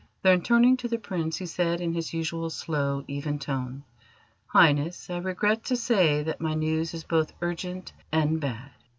Then, turning to the Prince, he said in his usual slow, even tone: "Highness, I regret to say that my news is both urgent and bad."